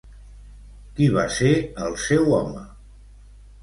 Qui va ser el seu home?